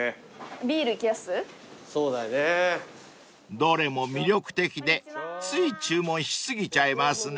［どれも魅力的でつい注文し過ぎちゃいますね］